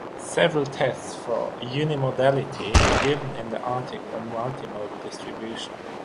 Several tests for unimodality are given in the article on multimodal distribution.